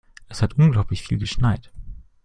Es hat unglaublich viel geschneit.